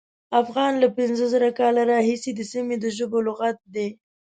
افغان له پینځه زره کاله راهیسې د سیمې د ژبو لغت دی.